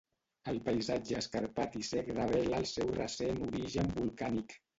El paisatge escarpat i sec revela el seu recent origen volcànic.